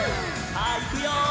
「さあいくよー！」